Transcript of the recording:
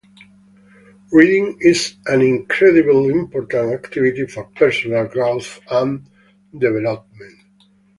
Reading is an incredibly important activity for personal growth and development.